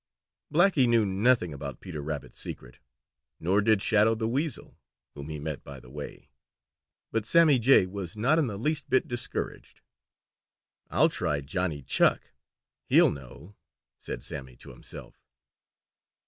Blacky knew nothing about Peter Rabbit's secret, nor did Shadow the Weasel, whom he met by the way. But Sammy Jay was not in the least bit discouraged. "I'll try Johnny Chuck; he'll know," said Sammy to himself.